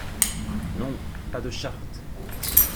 Non! pas de charte !